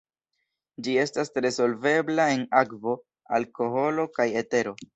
Ĝi estas tre solvebla en akvo, alkoholo kaj etero.